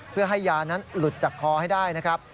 เพื่อให้ยานั้นหลุดจากคอให้ได้นะครับ